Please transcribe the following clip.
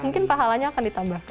mungkin pahalanya akan ditambahkan